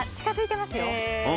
近づいていますよ。